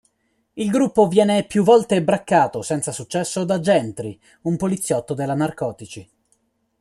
Il gruppo viene più volte braccato, senza successo, da Gentry, un poliziotto della narcotici.